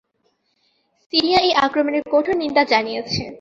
Syria এই আক্রমণের কঠোর নিন্দা জানিয়েছে।